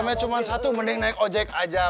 eh kalau cuma satu mending naik ojek aja